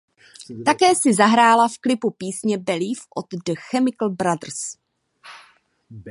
Také si zahrála v klipu písně "Believe" od The Chemical Brothers.